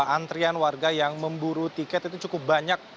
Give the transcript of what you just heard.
antrian warga yang memburu tiket itu cukup banyak